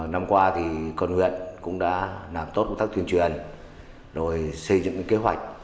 năm qua thì con huyện cũng đã làm tốt công tác truyền truyền xây dựng kế hoạch